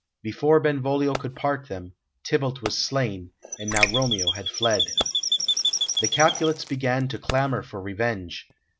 Before Benvolio could part them, Tybalt was slain, and now Romeo had fled. The Capulets began to clamour for revenge.